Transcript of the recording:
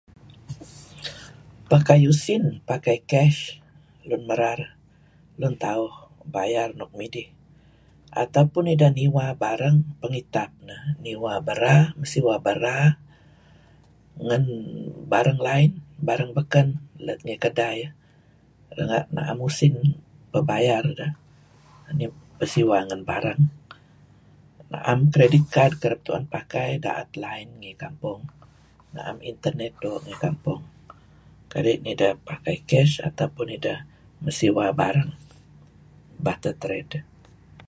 Pakai usin, pakai cash lun merar lun tauh bayar nuk midih, atau pun ideh niwa barang peh ngitap neh niwa bera, mesiwa bera ngen barang lain barang beken let ngi kedai eh renga' na'em usin peh bayar deh, pesiwa ngen barang. Na'em credut card kereb tu'en pakai, da'et line ngi kampong, na'em internet doo' ngi kampong kadi' nideh bayar cash atau pun ideh mesiwa barang, barter trade.